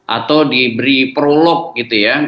atau diberi prolog gitu ya